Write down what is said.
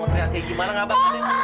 mau teriak kayak gimana gak bakal